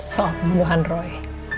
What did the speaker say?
soal pembunuhan roy